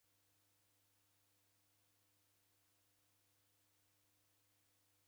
Mndu uoose oko na w'uhuru ghwa aho andu.